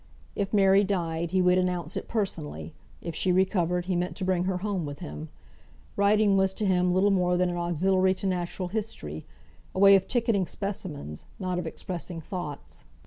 If Mary died, he would announce it personally; if she recovered, he meant to bring her home with him. Writing was to him little more than an auxiliary to natural history; a way of ticketing specimens, not of expressing thoughts.